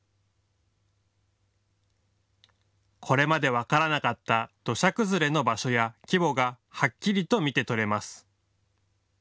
これまで分からなかった土砂崩れの場所や規模がはっきりと見て取れます。